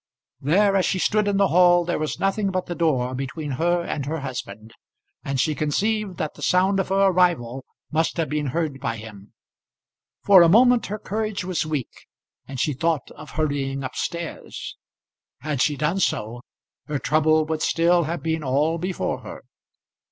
There, as she stood in the hall, there was nothing but the door between her and her husband, and she conceived that the sound of her arrival must have been heard by him. For a moment her courage was weak, and she thought of hurrying up stairs. Had she done so her trouble would still have been all before her.